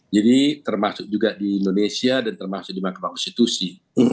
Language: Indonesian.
jadi termasuk juga di indonesia dan termasuk di mahkamah konstitusi